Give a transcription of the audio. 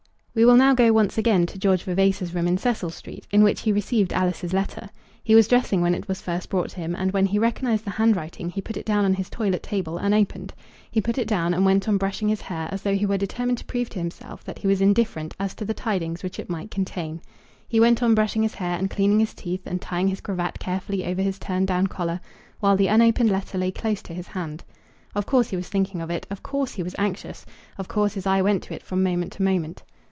We will now go once again to George Vavasor's room in Cecil Street, in which he received Alice's letter. He was dressing when it was first brought to him; and when he recognised the handwriting he put it down on his toilet table unopened. He put it down, and went on brushing his hair, as though he were determined to prove to himself that he was indifferent as to the tidings which it might contain. He went on brushing his hair, and cleaning his teeth, and tying his cravat carefully over his turned down collar, while the unopened letter lay close to his hand. Of course he was thinking of it, of course he was anxious, of course his eye went to it from moment to moment.